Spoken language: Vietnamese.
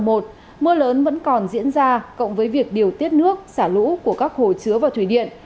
mưa lớn vẫn còn diễn ra cộng với việc điều tiết nước xả lũ của các hồ chứa và thủy điện